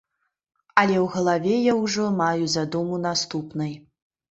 Але ў галаве я ўжо маю задуму наступнай.